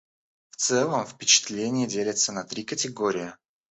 В целом впечатления делятся на три категории.